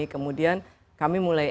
kemudian kami mulai